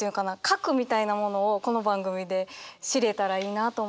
核みたいなものをこの番組で知れたらいいなと思います。